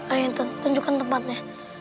ayo intan tunjukkan tempatnya